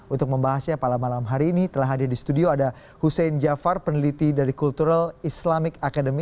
untuk membahasnya malam malam hari ini telah hadir di studio ada hussein jafar peneliti dari cultural islamic academy